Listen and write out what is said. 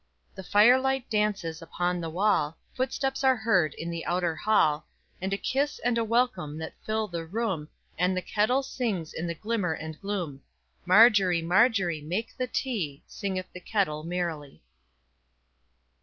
The firelight dances upon the wall, Footsteps are heard in the outer hall, And a kiss and a welcome that fill the room, And the kettle sings in the glimmer and gloom. Margery, Margery, make the tea, Singeth the kettle merrily.